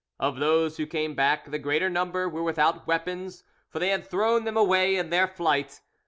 Of those who came back the greater number were without weapons, for they had thrown them away in their flight.